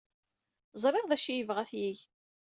Ẓriɣ d acu ay yebɣa ad t-yeg.